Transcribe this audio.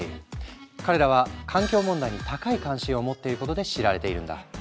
彼らは環境問題に高い関心を持っていることで知られているんだ。